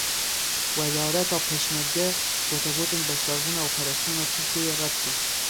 Wezareta Pêşmerge gotegotên beşdarbûna operasyona Tirkiyeyê red kir.